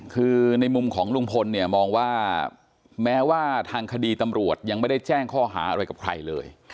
คือในมุมของลุงพลเนี่ยมองว่าแม้ว่าทางคดีตำรวจยังไม่ได้แจ้งข้อหาอะไรกับใครเลย